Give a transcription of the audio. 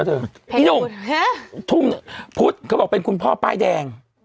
แล้วเถอะพี่หนุ่มฮะทุ่มพุทธเขาบอกเป็นคุณพ่อป้ายแดงอ๋อ